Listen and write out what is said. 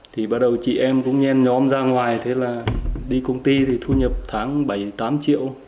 thì bắt đầu chị em cũng nhen nhóm ra ngoài thế là đi công ty thì thu nhập tháng bảy tám triệu